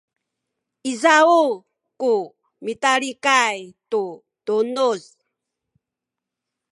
izaw ku mitalikay tu tunuz